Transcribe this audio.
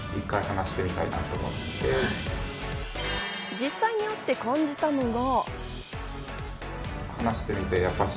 実際に会って感じたのが。